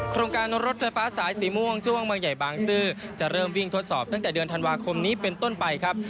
โครงการรถไฟฟ้าสายสีม่วงช่วงบางใหญ่บางซื่อจะเริ่มวิ่งทดสอบตั้งแต่เดือนธันวาคมนี้เป็นต้นไปครับ